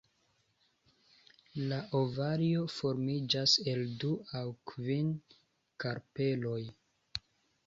La ovario formiĝas el du aŭ kvin karpeloj.